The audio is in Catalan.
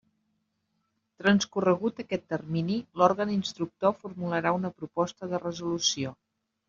Transcorregut aquest termini, l'òrgan instructor formularà una proposta de resolució.